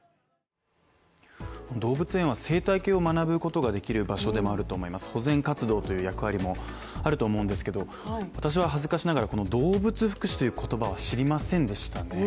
動物園は生態系を学ぶことができる場所でもあると思います保全活動という役割もあると思うんですけど、私は恥ずかしながらこの動物福祉という言葉は知りませんでした